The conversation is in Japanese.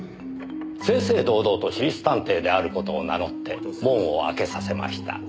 正々堂々と私立探偵である事を名乗って門を開けさせました。